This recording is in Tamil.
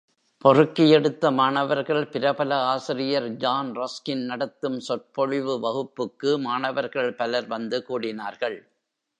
பொறுக்கி எடுத்த மாணவர்கள் பிரபல ஆசிரியர் ஜான் ரஸ்கின் நடத்தும் சொற்பொழிவு வகுப்புக்கு மாணவர்கள் பலர் வந்து கூடினார்கள்.